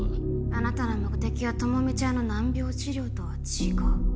あなたの目的は朋美ちゃんの難病治療とは違う。